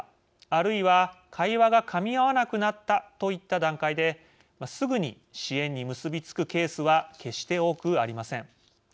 あるいは会話がかみ合わなくなったといった段階ですぐに支援に結び付くケースは決して多くありません。